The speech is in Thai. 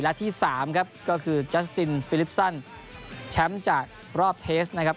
และที่สามครับก็คือจัสตินฟิลิปซันแชมป์จากรอบเทสนะครับ